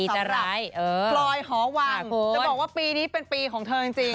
สำหรับพลอยหอวังจะบอกว่าปีนี้เป็นปีของเธอจริง